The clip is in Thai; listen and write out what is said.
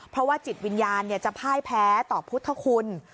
เพราะว่าจิตวิญญาณจะพ่ายแพ้ต่อพุทธคุณ